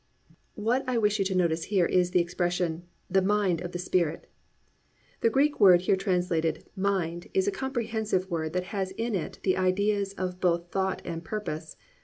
"+ What I wish you to notice here is expression, "the mind of the Spirit." The Greek word here translated "mind" is a comprehensive word that has in it the ideas of both thought and purpose.